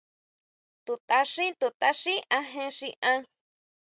To tʼaxín, to tʼaxín ajen xi an.